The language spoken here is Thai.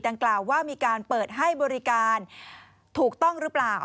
ดังกล่าวว่ามีการเปิดให้บริการถูกต้องหรือเปล่า